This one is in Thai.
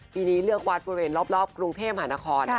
ปีนี้เลือกวัดบริเวณรอบกรุงเทพหานคร